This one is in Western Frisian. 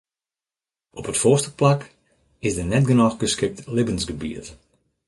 Op it foarste plak is der net genôch geskikt libbensgebiet.